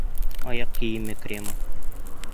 Аяҡ кейеме кремы.